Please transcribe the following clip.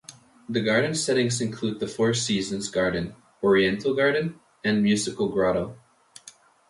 The garden settings include the Four Seasons Garden, Oriental Garden, and Musical Grotto.